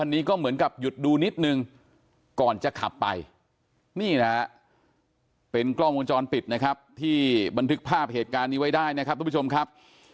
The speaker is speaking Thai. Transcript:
นี่นะครับเป็นกล้องวงจรปิดนะครับที่บันทึกภาพเหตุการณ์นี้ไว้ได้นะครับทุกผู้ชมครับ